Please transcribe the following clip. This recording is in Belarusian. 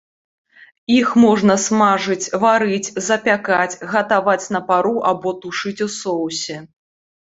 Іх можна смажыць, варыць, запякаць, гатаваць на пару або тушыць у соусе.